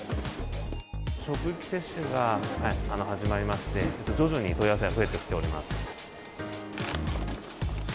職域接種が始まりまして、徐々に問い合わせが増えてきております。